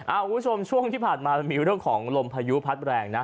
คุณผู้ชมช่วงที่ผ่านมามันมีเรื่องของลมพายุพัดแรงนะ